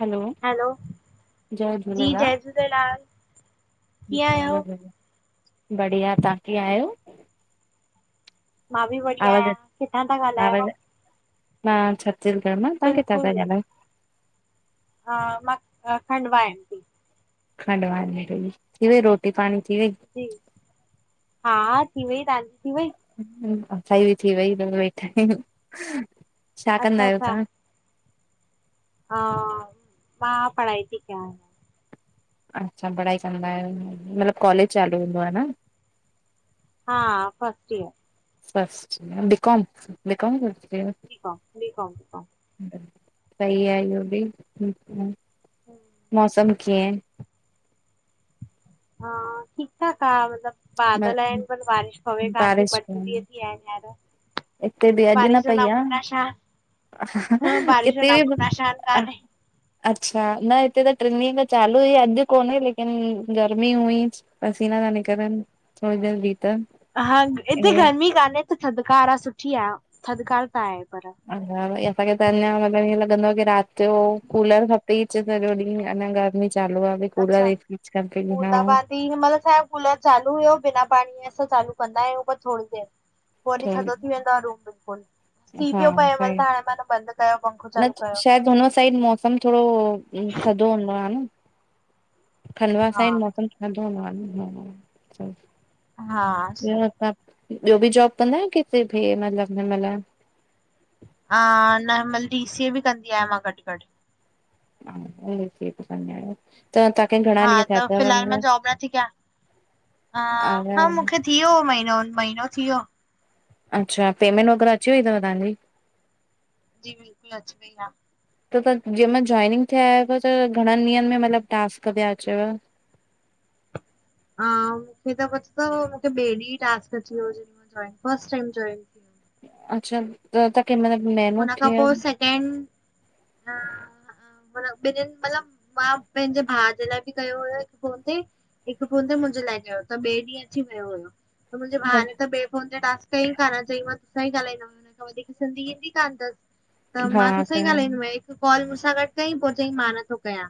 Hello, hello, जय जी झूलेलाल। जय झूलेलाल। कीअं आहियो? [unintelligible] बढ़िया, तव्हां कीअं आहियो? मां बि बढ़िया आवाज़ आहियां, किथां था आवाज़ ॻाल्हायो? मां छत्तीसगढ़ मां, तव्हां किथां था बिल्कुलु, पिया पां ॻाल्हायो? हा, मां खंडवााइन खंड वारी रई, थी वई रोटी पाणी थी वई। जी, हा थी वई, तव्हांजी थी वई? असाई बि थी वई बस वेठा आहियूं, छा कंदा अच्छा आहियो अच्छा तव्हां? हा, मां पढ़ाई थी कियां। अच्छा पढ़ाई कंदा आहियो मतलबु कॉलेज चालू हूंदो आह महिल। न। हा, first year. First, BCom, BCom फस ठीकु आह [unintelligible] सही आहे इयो बि, मौसम कीअं आहे? हा, ठीकु ठाक आह मतलब बादल आहे? आहिनि पर बारिश पवे कान थी ॿ, बारिश टे ॾिय थी वया आहिन हिनयर। हिते बि अॼु न पई आह, हा, बारिश जो हिते नामो बि निशान कान्हे। अच्छा, न हिते त टिनि ॾींहं खां चालू हुई अॼु कोन्हे लेकिन गर्मी हुई। पसीना ता निकरन थोड़ी देर ॿी त। हा हिते ईअं गर्मी कान्हे त थधिकार आह, सुठी आह थधिकार त आहे पर। [unintelligible] असांखे त अञा मतिलब ईअं लॻंदो आह की राति यो कूलर ख फ्रिज सॼो ॾींहुं अनं गर्मी चालू आह, भई पूरा ॾिह कूलर फ्रीज हलाओ। त हिन महिल [unintelligible] कूलर चालू हुयो बिना पाणीअ असां चालू कंदा आहियूं पर थोरी देरि। पोइॾ थधो थी वेंदो आहे रूम बिल्कुल। थी हा पियो पए हिन स महिल त हाणे मां न बंदि कयो पंखो न चालू कयो शायदि हुन साइड मौसम थोरो थ - - धोंदो आहे न। खलवावास सां हा। ई मौसम ठंदो न हा ॿियो सही असां - - ॿियो बि जॉब कंदा आहि किथे बि मतलब हिन महिल - - अ न मत डीसी ए बि कंदी आहियां मां गॾु गॾु - - हा उ ची स - - त ताखे - - हा त फिलहाल मां जॉब न थी कय - - ह हा आया? मूंखे थियो महीनो महीनो थी वियो - - अच्छा पेमेंटगैरह अची व अथव्हजी - - जी बिल्कुल अची वई आहे। त त जंहिंमहि जॉइनिंग थियायव त घणनि ॾींहंनि में मतलब टास्क ते अचेव। मूंखेीं ट्क अची वियो। हुयमि। अच्छा त त। क मतलब। हुन खां पोइ सेकेंड - - मान ॿिन्हिन मतलब मां पंहिंजे भाउ जे लाइ बि कयो हुयो हिक कोन ते - - हिकु फोन ते मुंहिंजे लाइ चयो त ॿिए ॾींहुं अची वियो हुयो त मुंहिंजेाउाणे त बॿए फोन ते ट - - कई कान चईं मां तोसां ई ालाईंदमय हुन खां वधीक सिंधी ईंदी कोन अस - - त मां त सही ॻाल्हाईंदोम हिकु कॉल मूंसां गॾु कयई पोइ चयईं मां नथो कयां।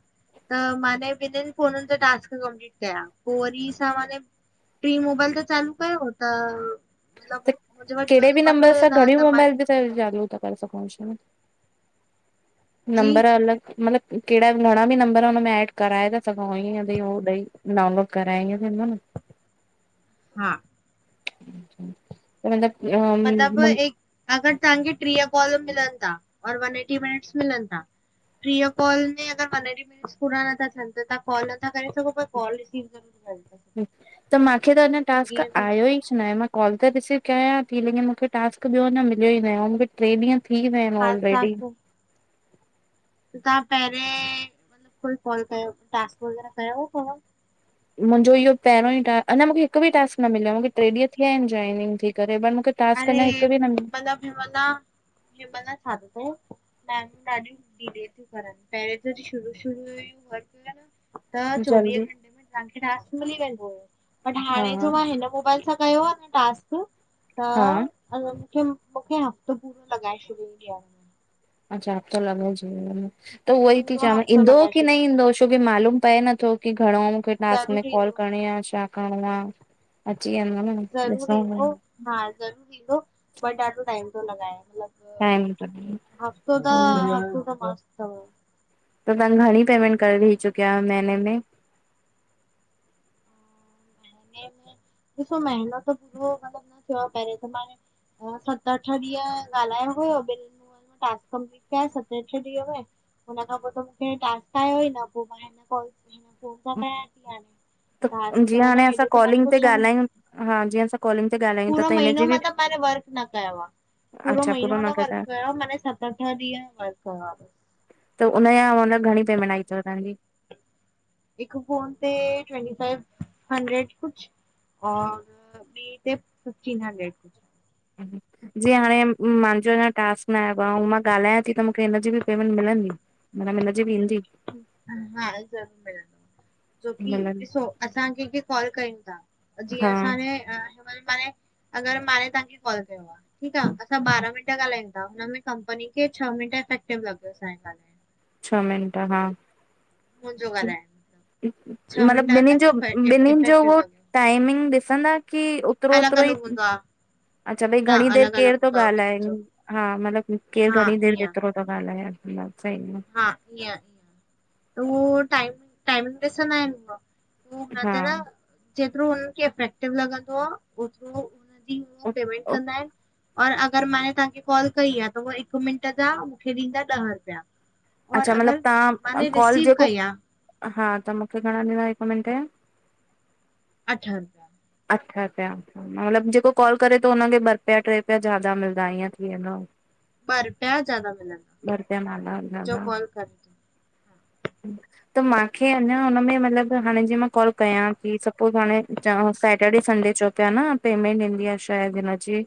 त माने ॿिन्हिन फोन ते टास्क कंपलीट कया पोइ वरी अस मान - - ट्री मोबाइल त चालू कयो हो त मतलब त मुंहिंजे वट ॿियो नंबर हुयो न त मानी - - जालूत करे स कोश - - नंबर अलॻ मतलब कहिड़ा घणा बि नम्बर हुनें एड कराए था सघूंअं ई उ ॾई डाउनलोड कराए इअं थींदो न - - हा - - अच - - त मतलब अ - - मतलब ए अगर तव्हांखे टीह कॉल मिलन था और वन एटी मिनट्स मिलन था। प्री कॉल में अगर मन मिस पूरा नथा थियन त तव्हां कॉल नथा करे सघो कॉल रिसीव - - त मूंखे त अञा टास्क ईअं थी आयो ई न आहे मां। कॉल त रिसीव कयां थी लेकिन मूंखे टास्क ॿियो न मिलियो ई न आहे मूंखे टे ॾींहं - - ठी वण हा ऑलरेडी - - त तव्हां पहिरें मतलब कोई कॉल कयो टास्क वग़ैरह कयो को - - मुंहिंजो इहो पहिरों ई टास अञा मूंखे हिकु बि टास्क न मिलियो आहे मूंखे टे ॾींहं थीिया आहिन जॉइनिंग थी करे पर मूंखे - - अरे मलामलामला छा अथ मम ॾाढिय। रे थियूं करन पहिरं त शुरू शूयूंर न - - त चोवीह जल्दी घंटे में तव्हांखे टास्क मिली वेंदो हुयो - - बट हा हाणे जो मां हिन मोबाइल सां कयो आहे न टास्क - - हा त मूंखे मूंखे हफ़्तो पूरो लॻाए छॾींदी आहे। अच्छा लॻे जीन त उहो ई थी पूरो चव हफ़्तो ईंदो लॻाए की न छॾियईं ईंदो। छोकी मालूम पए नथो की घणो मूंखे टास्क में ज़रूर कॉल ईंदो करिणी आहे छा। णा अची - - ज़रूर ईंदो हा ज़रूरु ईंदो ब ॾाढो टाइम थो लॻाए मतलब। टाइम त हफ़्तो त हम्म हफ़्तो त मस्तु तव त तहां घणीं पेमेंट करॾी चुकया हियो महीने में? महीने ॾिसो महीनो त पूरो मतलब न थियो आ पहिरे त माने हा सत अठ ॾींहं ॻाल्हायो हुयो ॿिन टास्क कंप्लीट कया सते - अठें ॾीह में हुन खां पो त मुखे टास्क आयो ई न पो मां हिन काल त त जीअं हाणे मतिलबु असां हेॾो त माने कॉलिंग ते कुझु न ॻाल्हायूं, हा जीअं असां कॉलिंग ते ॻाल्हायूं ता पूरो त महीनो हिनजी बि मतिलबु माने वर्क न कयो आहे पूरो महीनो न वर्क कयो आ माने सत अठ ॾींहं वर्क कयो आ। त उन्हया हुन घणीं पेमेंट आई तव तहांजी? हिकु फोन ते ट्वंटी फावफ हंड्रेड कुछ और ॿि ते फिफ्टीन हंड्रेड कुछ अच्छा अच्छा जीयं हाणे मांजो अंञां टास्क न आयो आ अंउं मां ॻाल्हायां ती त मुखे हिनजी बि पेमेंट मिलंदी? हिनमें हिनजी बी ईदी? हा ज़रूर मिलंदो आ जोकी मिलंदी ॾिसो असां केंखें काल कयूं ता जींअ हा असांने अ वरी माने अगर माने तहांखे कॉल कयो आ ठीक आ असां ॿारहां मिंट ॻाल्हायू ता हुनमे कंपनी खे छह मिंट इफेक्टिव लॻदो असांजो ॻाल्हाइण छह मिंट हा। मुन्जो ॻाल्हांइण मतलब ॿिन्हिनि जो ॿिन्हिनि जो इफेक्टिव उहो लॻियो टाइमिंग ॾिसंदा की ओतिरो अलॻि ओतिरो ई अलॻि हूंदो आहे अच्छा भई न घणीं देरि अलॻि अलॻि केर तो हूंदो आहे ॿिन्हिनि ॻाल्हाएन जो हा मतलब केरु हा घणीं देर ईअं केतिरो त ॻाल्हायान मतलब सही आ। हा ईअं -ईअं, त उहो टाइम टाइमिंग ॾिसंदा इनि हुंव हु हा। नत न जेतिरो हुननि खे अफेक्टिव लॻंदो आ ओतरो उननि खे जी उव ओ पेमेंट ओ कंदा इनि और अगर माने तहांखे कॉल कई आ त उहा हिक मिंट जा मुखे ॾींदा ॾह रुपया और अच्छा मतलब अगरि तहां माने कॉल रिसीव जेको कई आहे हा त मुखे घणां ॾींदा हिक मिंट या अठ रू अठ रूपया हा मतिलब जेको कॉल करे तो उनखे ॿ रुपया ट्रे रुपया ज्यादा मिलदा इअं थी वेंदो पर रुपया ज्यादा मिलंदा ॿ रुपया माला जो ज्यादा कॉल करे तो त माखे अंञां हुन में मतिलब हाणे जीअं मां कॉल कयां ती, सपोस हाणे चहुस सैटरडे संडे चओ पिया न पेमेंट ईंदी आ शायद हिनजी?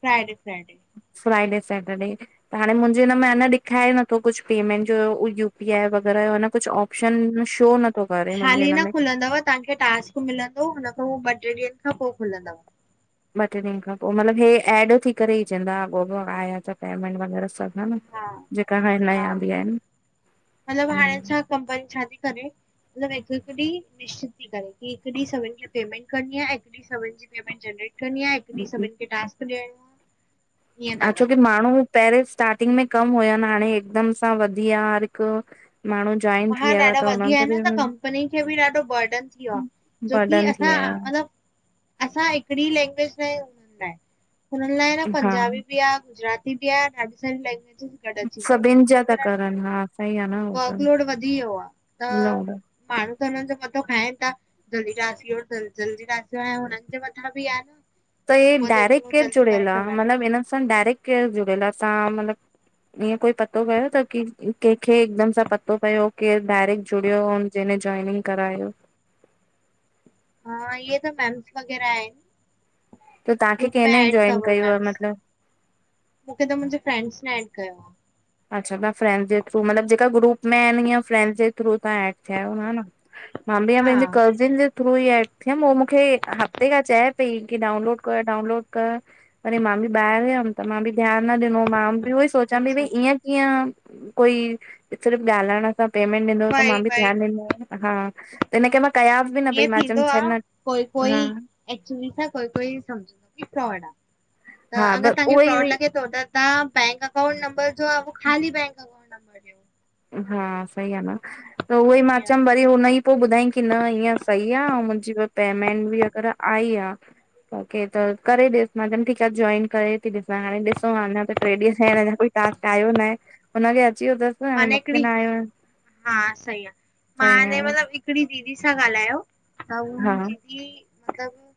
फ्राइडे फ्राइडे फ्राईडे सैटरडे त हांणे मुंजे हिन में अना ॾिखाए नथो कुछु पेमेंट जो यूपी आई वग़ैरह यो अ न कुछ आप् प्शन शो न हाली न खुलंदव तहांखे टास्क मिलंदो हुन खां पो ॿ ट्रे ॾींहंन खां पो खुलंदव। ॿ ट्रे ॾींहंनि खा पो मतलब हे एड थी करे ईच ईदा अॻोपो आया त पेमेंट वग़ैरह सभ हा न जेका हाणे हा नयां बि आहिन हुं कम वरी छाती करे? मतलबु हिकु - हिकु ॾींहीं निश्चित थी करे की हिक ॾींहीं सभिननि खे पेमेंट करणी आहे सेवन जी पीअ में जनरेट कंदी अहियां हिकु ॾींहुं सभिनि खे टास्क ॾिअण [unintelligible] ह छोकी माण्हू पहिरियोें स्टार्टिंग में कमु हुयनि, हाणे हिकदम सां वधीया हरि को हा ॾाढा वधिया आहिनि त कंपनी खे बि ॾाढो बर्डन थी वियो आह जो कि बर्डन थी असां वियो आहे मतलबु असां हिकड़ी लैंग्वेज न हुननि लाइ न हा पंजाबी बि आहे गुजराती क बिया बिसाली ल [unintelligible] सभिनि जा था करन, हा सही आहे न। हो त वर्कलोड वधी वियो आ, त न माण्हू त हुनन जो मथो खाइनि था। जल रासि जल शि आहे हुनन जे मथां बि आहे [unintelligible] त इ डायरेक्ट केर जुड़ियल आ, मतलब इनन सां डायरेक्ट केर जुड़ियल आ। तव्हां मतलबु ईएंं कोई पतो कयो त कि, केंखे हिकदम सां पतो पियो के डायरेक्ट जुड़ियो होन जेेने जॉइनिंग करायो हा इहो त मैमस वग़ैरह आहेन त तव्हांखे ग्रुप में कंहिंने एड जॉइन अथव कयो आहे एमएमस मतलब [unintelligible] मूंखे त मुंहिंजे फ्रेंड्स ने एड कयो आहे अच्छा तव्हां फ्रेंडस जे थ्रू, मतिलबु जेक गुप आहिनि हअं फ्रैडस जे थ्रू तव्हां एंड थिया आहियो है न मां बि आ न हा पंहिंजे कज़िन जे थ्रू ई एप थियमि उहो मूंखे हफ़्ते खां चए पई की डाउनलोड करि डाउनलोड करि अरी मां बि ॿाहिरि वियमि, त मां बि ध्यानु न ॾिनो मां बि हुयसि सोचां पई भई अच्छा ईअं कीअं कोई सिर्फ़ ॻाल्हाइण पेमेंट ॾिनो त वई मां बि वई ध्यानु ॾींनमु हा त हिनखे मां कयां बि न ईअं पई मां थींदो चयमि छ आहे न कोई- कोई हा एक्चुली सां कोई- कोई सम्झंदो की फ्रॉड आहे। त हा अगरि बस तव्हांखे उहो ई फ्रॉड हुई लॻे थो त तां बैंक अकाउंट नंबर जो आहे उहो ख़ाली बैंक अकांट नंबर जो हा सही ॻाल्हि आहे, त उहोई मां चयमि भई हुन ई पोइ ॿुधाई की न ईअं सही आह ऐं मुंहिंजी पेमेंट बि अगरि आई आह ओके त करे ॾिस मां तम ठीकु आहे जॉइन करे थी ॾिसां हाणे ॾिसो ह न [unintelligible] टे ईअं आ ॾींहं टास्क आयो न आहे। हुनखे अची वियो थसि न। अड़ि आयो आहे हा सही, आहे मां छा हिने ईअं मतलबु [unintelligible] हिकिड़ी दीदी सां ॻाल्हायो त हू हा दीदी मतलबु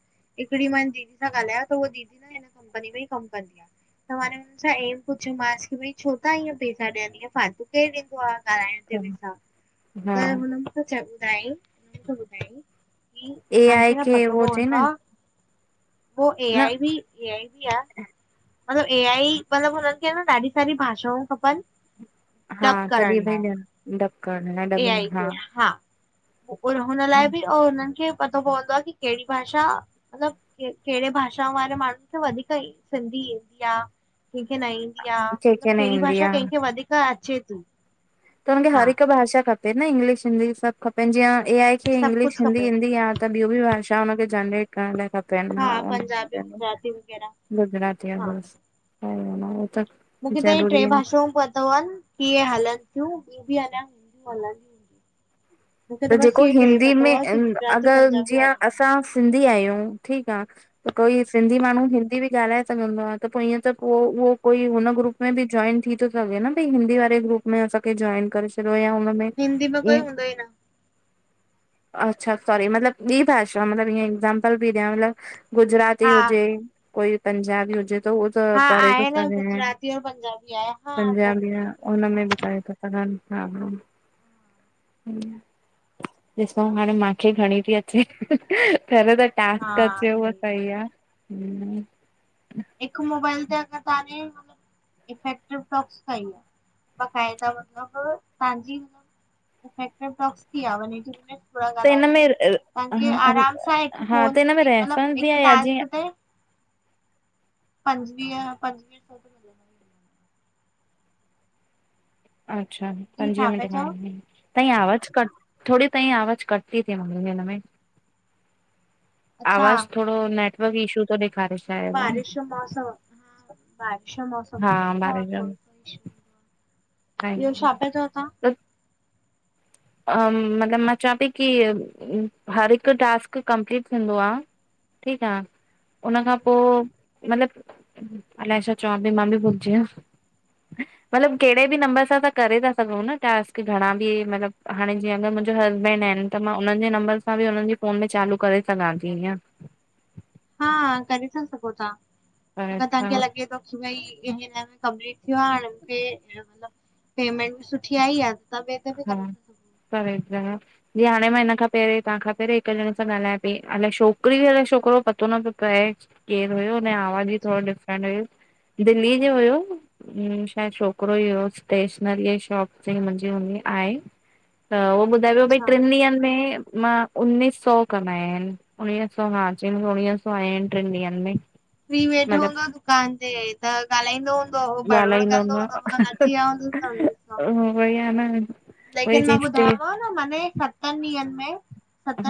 हिकिड़ी मां दीदी सां ॻाल्हायो त उहा दीदी न हिन कंपनी में ई कमु कंदी आह। त हाणे हुन सां ए पुछियो मांसि की भई छो था इअं पैसा ॾियनि फालतू केरु ॾींदो आहे ॻालाइण ते पैसा, हा त हुन ॿुधाई हुननि ॿुधाई की ए आई असांखे न खे पतो उहो चई पवंदो न आह। उहो ए न आई बि ए आई बि आह, मतलबु ए आई, मतलबु हुननि खे न ॾाढी सारी भाषाऊं खपनि। हा डब तॾहिं करण भई लाइ ॾिय डब कर ए डबिंग आई हा खे हुन लाइ बि ओ हुननि खे पतो पवंदो आहे कि कहिड़ी भाषा? मतलबु क कहिड़े भाषा वारे माण्हुनि खे वधीक सिंधी ईंदी आह? कंहिंखे न ईंदी आह, कंहिंखे न कहिड़ी ईंदी भाषा आहे कंहिंखे वधीक अचे थो त हुन खे हर हिकु भाषा खपे न, इंग्लिश हिंदी सभु खपनि जीअं ए आई खे सभु इंग्लिश कुझु खपे हिंदी ईंदी आह त ॿियूं बि भाषा हुनखे जनरेट करण लाइ खपेनि हा हां पंजाबी गुजराती वग़ैरह गुजराती हा। थसि [unintelligible] स न उ त [unintelligible] मूंखे त ही टे आहे भाषाऊं पतो आहिनि, कि ईए हलनि थियूं, ॿियूं बि हलंदियूं हलनि [unintelligible] त जेको हिंदी पतो में आहे की गुजराती अगरि पंजाबी और जीअं असां सिंधी आयूं ठीक आ। त कोई सिंधी माण्हू हिंदी बि ॻाल्हाए सघंदो आ त पो ईअं त पो उहो कोई हुन ग्रुप में बि जइन थी थो सघे न भई हिंदी वारे ग्रुप में असांखे जॉइन करे छॾियो या हुनमें हिंदी मां कोई ईअं हूंदोई न अच्छा सॉरी मतलबु ॿी भाषा मतलबु ईअं एक्ज़ामपल पई ॾियां मतलबु गुजराती हा हुजे। कोई पंजाबी हुजे त उह त हा करे थो आहे न सघे गुजराती और पंजाबी आहे हा करे पंजाबी था आ। सघनि। हुनमें बि करे था सघनि हा हा हूं। ॾिसो हाणे माखे घणी थी अचे पियों तडें त टास्क अचे उहो सही आ। हूं, हिकु मोबाइल ते अगर ताणे [unintelligible] बक़इदा मतब तांजी [unintelligible] थोरा त ॻाल्हाए अ हिन में तव्हांखे हा आराम सां हिकु हा त फोन हिन में मे मतलब रेफरेंस बि हिक आहे या जीअं टास्क ते। पंजवीह पंजवीह सौ मिलंदव अच्छा जी पंजवीह छा मिंट पिया चओ? [unintelligible] ताईं आवाज कट थोरी ताईं आवाज कट थी थे ममी हिनमें। अच्छा आवाज़ थोड़ो नेटवर्क इश्यू थो ॾेखारे। शायद हा न बारिश जो मौसम हा बारिश छा मौसम हा आ बारिश जो न त थो ॿियो छा पिया चओ तां? अ मतिलबु मां चवां पई की हर हिकु टास्क कंपलीट थींदो आ। ठीक आ, उन तव्हां? खां पो मतिलब अलाए छा चव पी मां बि भुलजे वियम। मतलबु कहिड़े बि नंबर सां तां करे था सघूं न टास्क घणा बि मतलब हाणे जीअं अगरि मुंहिंजो हसबैंड आहिनि त मां हुननि जे नम्बर सां बि हुननि जी फोन में चालू करे सघां थी हीअं। हा करे सघो था पर अगि तव्हांखेे तव्हां लगे तो भई कमपलीट थियो आ हाणे मूंखे मतलब पेमेंट बि सुठी आई आ। हिक बे ते बि करे था सघो। [unintelligible] जी हाणे मां हिन खां पहिरियों तव्हां खां जी हाणे मां हिन खां पहिरीं तां खां पहिरी हिक ॼणे सां ॻाल्हायां पई अलाए छोकिरी हुई अलाए छोकिरो पतो न पियो पए। केर हुयो हुन आवाज ई थोरो डिफरेंट हुयो दिल्लीअ जो हुयो। हूं छाए छोकिरो ई हो स्टेशनरीअ जी शॉप ते मुंहिंजी हूं आहे त उहो ॿुधायो भई अच्छा ट्रिनि ॾींहंनि में मां उणवीह सौ कमाया आहिन उणिवीह सौ हा चईं मू उणिवीह सौ आया आहिनि ट्रिनि ॾींहंनि में। फिरी वेठो मतिलबु हूंदो दुकान ते त ॻालाईंदो हूंदो हो बरबड़ ॻाल्हाईंदो कंदो न हूंदो हु [unintelligible] वई आ न अ लेकिन मां ॿुधायोमाव न माने सत ॾींहंनि में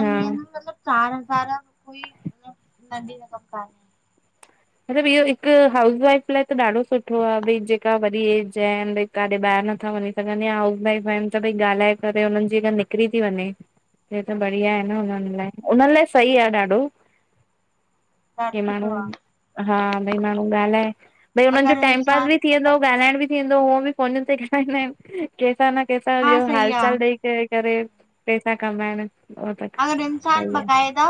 हा ॾींहंनि में मतलब चार हज़ार कोई त नंढी रकम काने। मतिलबु इहो हिकु हाउस वाइफ लाइ त ॾाढो सुठो आ भई जेका वडी एज आहिनि। काडे ॿाहिर नथा वञी सघनि या हाउस वाईफ इन भई ॻाल्हाए करे हुननि जी अगरि निकिरी थी वञे। हे त बढ़िया आहे न हुननि लाइ हुननि लाइ सही आहे ॾाढो। हा की माण्हू सुठो आ। हा भई माण्हू ॻाल्हाए भई हुननि जो अगरि टाइम पास बि इंसान थी वेंदो मतिलबु ॻाल्हाइण बि थी वेंदो उहो बि फोनन ते गालाईंदा आहिनि कंहिंसा न हा कंहिंसां सही हाल आहे। चाल ॾेई करे। करे पैसा कमाइणु अगरि इंसान बाक़ाइदा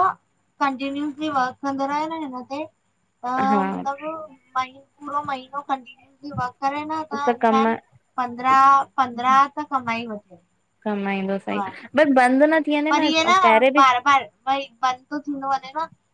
कंटिन्यूनिटली वर्क कंदो रयो न हिन ते त हा मतिलब म पूरो महीनो कंटिन्यू ई वर्क करे न त इंसान पंद्रह पंद्रहां त कमाई वठे कमाईंदो सई बट बंदि न थी वञे पर ईअ न पहिरे बि बार बार भई बंदि थो थींदो वञे न